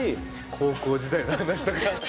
高校時代の話とか。